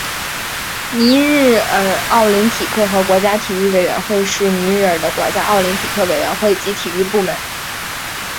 尼日尔奥林匹克和国家体育委员会是尼日尔的国家奥林匹克委员会及体育部门。